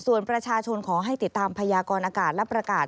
ส่วนประชาชนขอให้ติดตามพยากรอากาศและประกาศ